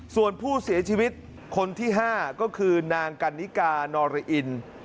ส่วนผู้เสียชีวิตคนที่๕ก็คือนางกันนิกานอริอิน